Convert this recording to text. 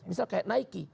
misal kayak nike